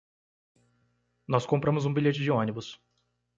Nós compramos um bilhete de ônibus